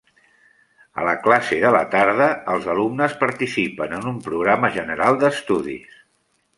A la classe de la tarda, els alumnes participen en un programa general d'estudis.